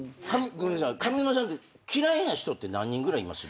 上沼さんって嫌いな人って何人ぐらいいます？